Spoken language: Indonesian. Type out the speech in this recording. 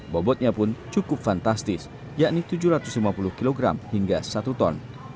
bobotnya pun cukup fantastis yakni tujuh ratus lima puluh kg hingga satu ton